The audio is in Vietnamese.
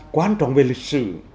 quan trọng về lịch sử